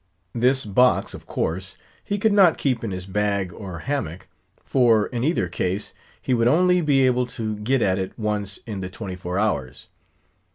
This box, of course, he could not keep in his bag or hammock, for, in either case, he would only be able to get at it once in the twenty four hours.